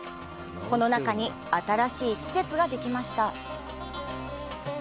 この中に新しい施設ができました。